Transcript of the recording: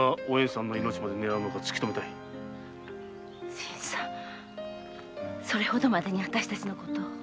新さんそれほどまでにあたしたちのことを。